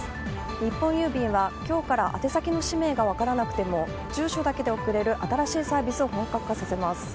日本郵便は今日から宛て先の氏名が分からなくても住所だけで送れる新しいサービスを本格化させます。